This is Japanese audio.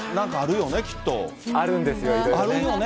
あるんですよ、いろいろね。